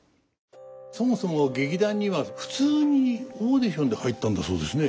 そもそも劇団には普通にオーディションで入ったんだそうですね？